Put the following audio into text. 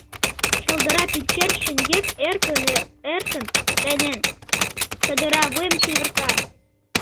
Шолдыра пӱнчер шеҥгек эркын-эркын тайнен, чодыра вуйым чеверта.